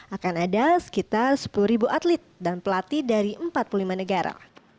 akan ada sekitar sepuluh atlet dan pelatih dari empat puluh lima negara